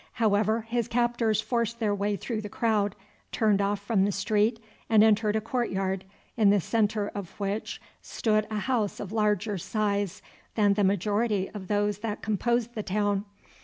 However, his captors forced their way through the crowd, turned off from the street, and entered a court yard, in the centre of which stood a house of larger size than the majority of those that composed the town.